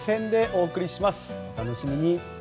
お楽しみに。